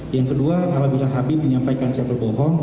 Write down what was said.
yang kedua kalau bila habib menyampaikan saya berbohong